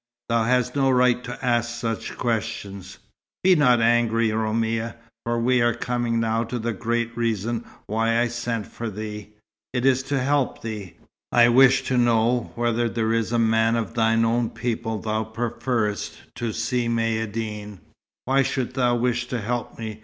"Thou hast no right to ask such questions." "Be not angry, Roumia, for we are coming now to the great reason why I sent for thee. It is to help thee. I wish to know whether there is a man of thine own people thou preferest to Si Maïeddine." "Why shouldst thou wish to help me?